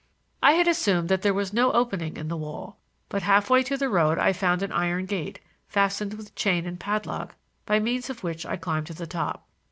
I had assumed that there was no opening in the wall, but half way to the road I found an iron gate, fastened with chain and padlock, by means of which I climbed to the top.